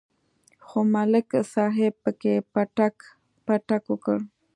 خو ملک صاحب پکې پټک پټک وکړ.